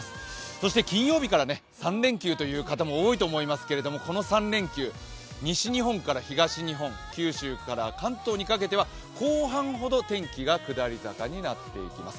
そして金曜日から三連休という方も多いと思いますがこの３連休、西日本から東日本、九州から関東にかけては後半ほど天気が下り坂になっていきます。